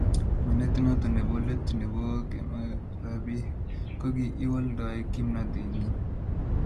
manet noto nebo let nebo kemotherapi koki iwaaldae kimnatenyin